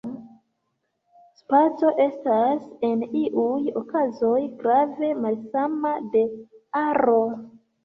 Spaco estas en iuj okazoj grave malsama de aro.